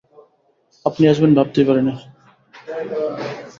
আপনি আসবেন ভাবতেই পারি নি।